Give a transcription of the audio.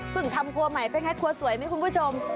ทำครัวใหม่เป็นไงครัวสวยไหมคุณผู้ชม